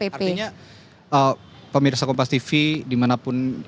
artinya pemirsa kompas tv dimanapun